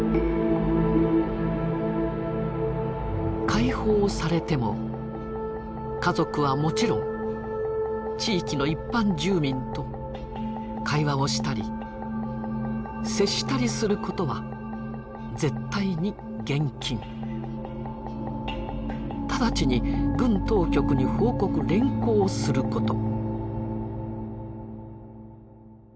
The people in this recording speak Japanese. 「解放されても家族は勿論地域の一般住民と会話をしたり接したりすることは絶対に厳禁直ちに軍当局に報告連行すること」。